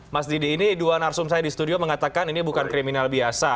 mas didi ini dua narsum saya di studio mengatakan ini bukan kriminal biasa